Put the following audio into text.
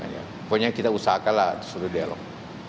pokoknya kita usahakanlah seluruh dialog